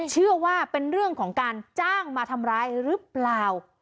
เชื่อว่าเป็นเรื่องของการจ้างมาทำร้ายหรือเปล่า